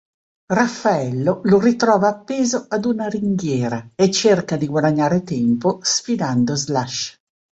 Raffaello lo ritrova appeso ad una ringhiera e cerca di guadagnare tempo sfidando Slash.